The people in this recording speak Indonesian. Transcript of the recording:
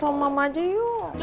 sama mama dia